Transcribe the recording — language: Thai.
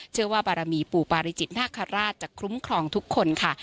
เชื่อว่าบารมีปู่ปาริจิตนาคาราชจะคุ้มครองทุกคนค่ะ